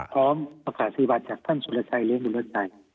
พร้อมประกาศีบัตรจากท่านสุรไชร่วิญลัยไทน์